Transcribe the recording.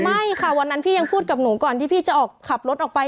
ไม่ค่ะวันนั้นพี่ยังพูดกับหนูก่อนที่พี่จะออกขับรถออกไป